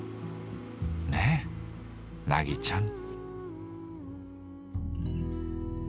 ねえ凪ちゃん。